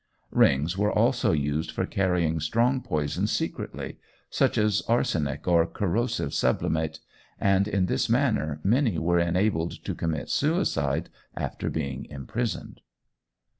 Rings were also used for carrying strong poisons secretly such as arsenic, or corrosive sublimate and in this manner many were enabled to commit suicide after being imprisoned.